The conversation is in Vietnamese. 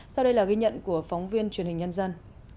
sau đây là ghi nhận của phóng viên truyền hình nhân dân